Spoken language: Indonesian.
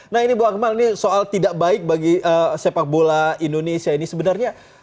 nah ini bu akmal ini soal tidak baik bagi sepak bola indonesia ini sebenarnya